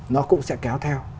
nó cũng sẽ kéo theo